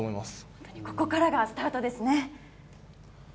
本当にここからがスタートですね。